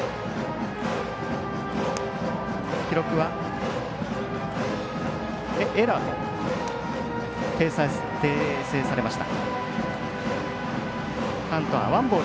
記録はエラーと訂正されました。